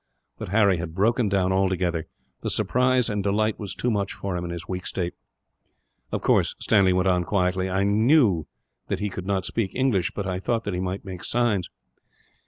But Harry had broken down, altogether. The surprise and delight was too much for him, in his weak state. "Of course," Stanley went on quietly, "I knew that he could not speak English, but I thought that he might make signs."